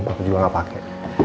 aku juga gak pake